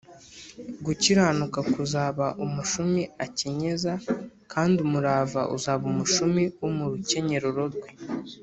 . …Gukiranuka kuzaba umushumi akenyeza, kandi umurava uzaba umushumi wo mu rukenyerero rwe